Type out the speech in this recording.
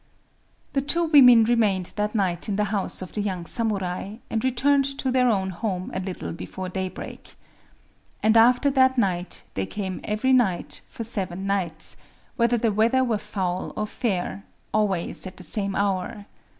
The two women remained that night in the house of the young samurai, and returned to their own home a little before daybreak. And after that night they came every nighht for seven nights,—whether the weather were foul or fair,—always at the same hour.